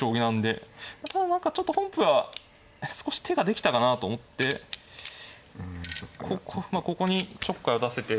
ただ何かちょっと本譜は少し手ができたかなと思ってここにちょっかいを出せて。